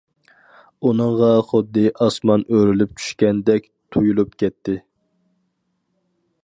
ئۇنىڭغا خۇددى ئاسمان ئۆرۈلۈپ چۈشكەندەك تۇيۇلۇپ كەتتى.